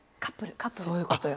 そういうことよ。